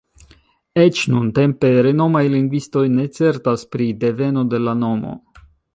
Eĉ nuntempe renomaj lingvistoj ne certas pri deveno de la nomo.